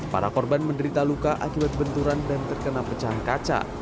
para korban menderita luka akibat benturan dan terkena pecahan kaca